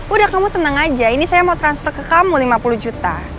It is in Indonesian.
udah kamu tenang aja ini saya mau transfer ke kamu lima puluh juta